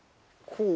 こう？